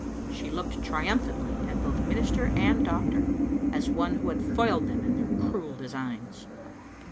She looked triumphantly at both minister and doctor, as one who had foiled them in their cruel designs.